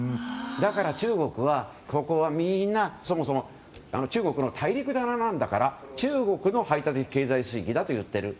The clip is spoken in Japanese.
だから、中国はここはみんなそもそも中国の大陸棚だから中国の排他的経済水域だと言っている。